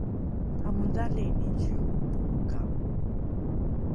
amodhali nizio pongkange